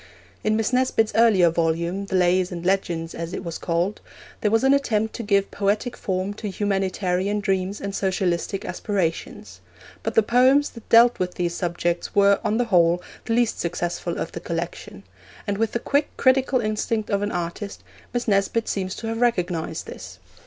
In Miss Nesbit's earlier volume, the Lays and Legends, as it was called, there was an attempt to give poetic form to humanitarian dreams and socialistic aspirations; but the poems that dealt with these subjects were, on the whole, the least successful of the collection; and with the quick, critical instinct of an artist, Miss Nesbit seems to have recognised this.